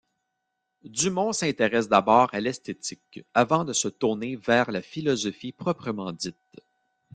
Dumont s'intéresse d'abord à l'esthétique, avant de se tourner vers la philosophie proprement dite.